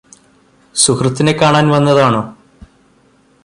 സുഹൃത്തിനെ കാണാൻ വന്നതാണോ